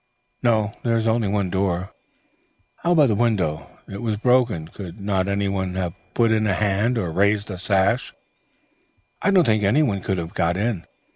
"No, there is only one door." "How about the window? It was broken; could not anyone have put in a hand, or raised the sash?" "I don't think anyone could have got in.